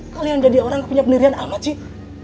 kalian jadi orang punya pendirian amat sih